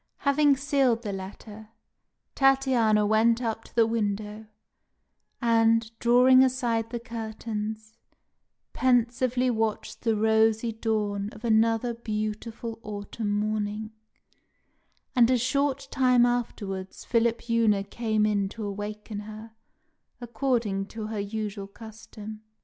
Having sealed the letter, Tatiana went up to the window, and, drawing aside the curtains, pensively watched the rosy dawn of another beautiful autumn morning; and a short time afterwards Philipjewna came in to awaken her, according to her usual custom.